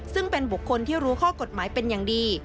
ซึ่งเป็นบุคคลที่รู้ข้อกฎหมายเป็นอย่างดี